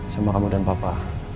sama kamu dan papa